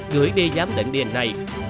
gửi đi giám định dna